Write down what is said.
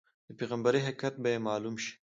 د پیغمبرۍ حقیقت به یې معلوم شي.